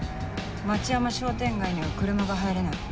町山商店街には車が入れない。